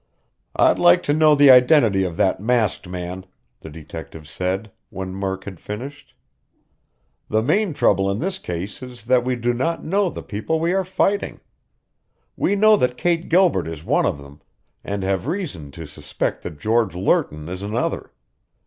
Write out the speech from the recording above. "I'd like to know the identity of that masked man," the detective said, when Murk had finished. "The main trouble in this case is that we do not know the people we are fighting. We know that Kate Gilbert is one of them, and have reason to suspect that George Lerton is another.